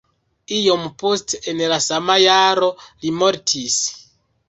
Iom poste en la sama jaro li mortis.